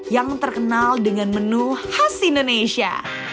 yang terkenal dengan menu khas indonesia